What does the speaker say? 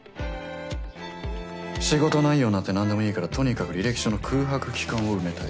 仕事内容なんて何でもいいからとにかく履歴書の空白期間を埋めたい。